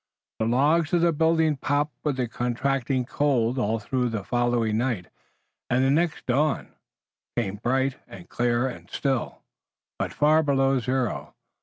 The logs of the buildings popped with the contracting cold all through the following night and the next dawn came bright, clear and still, but far below zero.